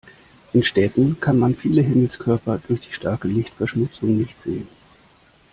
In Städten kann man viele Himmelskörper durch die starke Lichtverschmutzung nicht sehen.